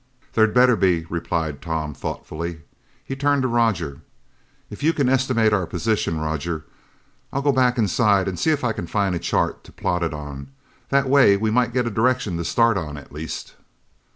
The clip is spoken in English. "There better be," replied Tom thoughtfully. He turned to Roger. "If you can estimate our position, Roger, I'll go back inside and see if I can find a chart to plot it on. That way, we might get a direction to start on at least."